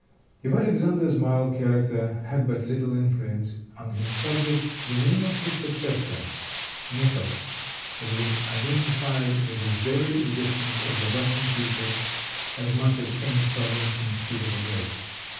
If Alexander's mild character had but little influence on his subjects, the name of his successor, Nicholas, has been identified with the very existence of the Russian people, as much as any sovereign since Peter the Great.